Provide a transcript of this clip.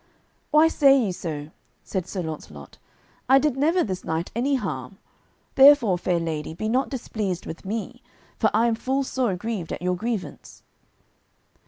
"Why say ye so?" said Sir Launcelot; "I did never this knight any harm; therefore, fair lady, be not displeased with me, for I am full sore aggrieved at your grievance."